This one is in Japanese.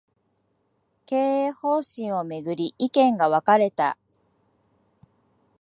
経営方針を巡り、意見が分かれた